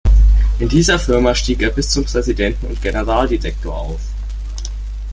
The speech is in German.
In dieser Firma stieg er bis zum Präsidenten und Generaldirektor auf.